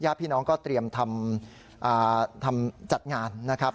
พี่น้องก็เตรียมทำจัดงานนะครับ